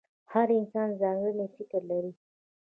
• هر انسان ځانګړی فکر لري.